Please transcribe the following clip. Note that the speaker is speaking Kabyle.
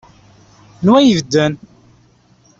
Anwa i ibedden?